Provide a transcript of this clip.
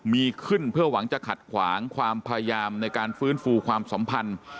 มีขึ้นเพื่อหวังจะขัดขวางความพยายามในการฟื้นฟูความสัมพันธ์